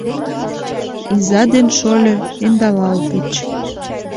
Иза ден шольо ӧндалалтыч.